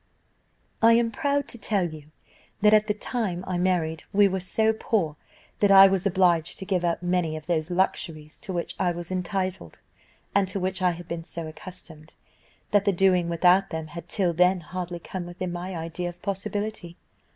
"I am proud to tell you, that at the time I married we were so poor, that I was obliged to give up many of those luxuries to which I was entitled, and to which I had been so accustomed, that the doing without them had till then hardly come within my idea of possibility.